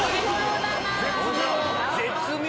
絶妙！